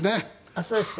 あっそうですか？